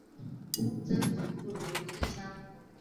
曾祖父刘震乡。